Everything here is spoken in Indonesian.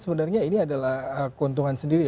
sebenarnya ini adalah keuntungan sendiri